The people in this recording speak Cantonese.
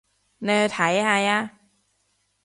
你去睇下吖